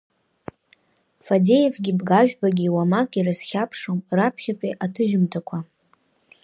Фадеевгьы Бӷажәбагьы уамак ирызхьаԥшуам раԥхьатәи аҭыжьымҭақәа.